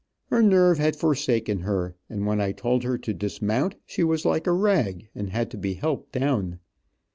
Her nerve had forsaken her, and when I told her to dismount she was like a rag, and had to be helped down.